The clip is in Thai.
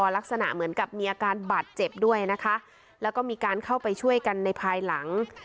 ลักษณะเหมือนกับมีอาการบาดเจ็บด้วยนะคะแล้วก็มีการเข้าไปช่วยกันในภายหลัง